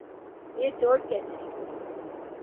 یہ چوٹ کیسے لگی؟